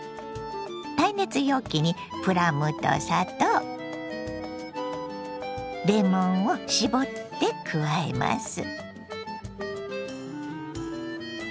耐熱容器にプラムと砂糖レモンを搾って加えます。